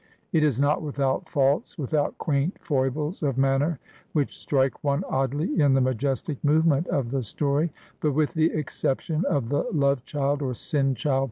It is not without faults, without quaint foibles of manner which strike one oddly in the majestic movement of the story ; but with the exception of the loveK:liild or sin child.